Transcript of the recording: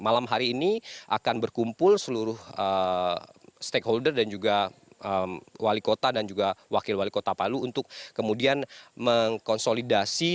malam hari ini akan berkumpul seluruh stakeholder dan juga wali kota dan juga wakil wali kota palu untuk kemudian mengkonsolidasi